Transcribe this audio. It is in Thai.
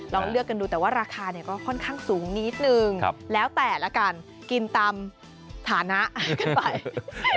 ลองเลือกกันดูแต่ว่าราคาเนี่ยก็ค่อนข้างสูงนิดนึงแล้วแต่ละกันกินตามฐานะกันไป